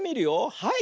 はい！